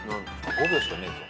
５秒しかねえぞ。